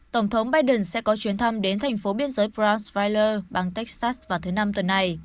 tổng thống biden sẽ có chuyến thăm đến thành phố biên giới bros fral bang texas vào thứ năm tuần này